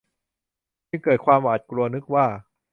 จึงเกิดความหวาดกลัวนึกว่า